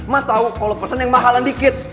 mas tahu kalau pesan yang mahalan dikit